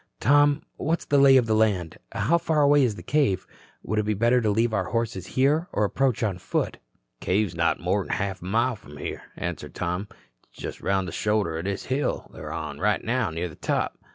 Tom, what's the lay of the land? How far away is the cave? Would it be better to leave our horses here and approach on foot?" "Cave's not more'n half a mile from here," answered Tom. "It's just around the shoulder o' this hill we're on right now and near the top.